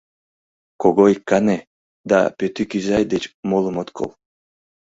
«Когой кане» да «Пӧтук изай» деч молым от кол.